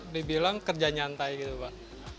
dibilang kerja nyantai gitu pak